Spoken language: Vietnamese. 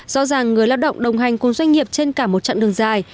do rằng người lao động đồng hành cùng doanh nghiệp trên cả một trận đường dài